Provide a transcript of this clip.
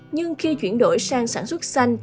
nhưng khi chuyển đổi sang sản xuất xanh